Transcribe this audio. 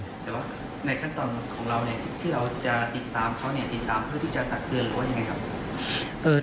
แต่ว่าในขั้นตอนของเราเนี่ยที่เราจะติดตามเขาเนี่ยติดตามเพื่อที่จะตักเตือนหรือว่ายังไงครับ